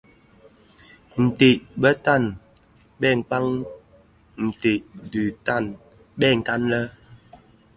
Nted bè tan bëkpan ntèd dhi tan bekan le.